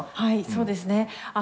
そうですね